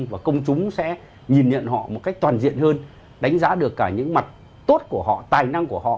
và công chúng sẽ nhìn nhận họ một cách toàn diện hơn đánh giá được cả những mặt tốt của họ tài năng của họ